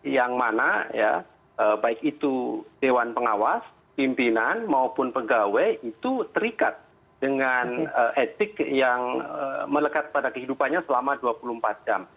yang mana ya baik itu dewan pengawas pimpinan maupun pegawai itu terikat dengan etik yang melekat pada kehidupannya selama dua puluh empat jam